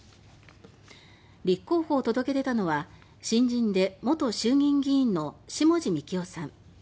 立候補を届け出たのは新人で元衆院議員の下地幹郎さん。